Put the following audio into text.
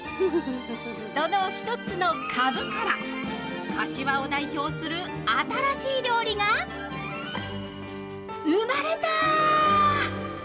その一つのかぶから、柏を代表する新しい料理が生まれた。